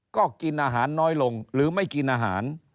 ก็กินอาหารน้อยลงหรือไม่กินอาหาร